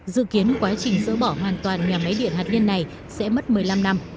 dự kiến quá trình sỡ bỏ hoàn toàn nhà máy điện hạt nhân này sẽ mất một mươi năm năm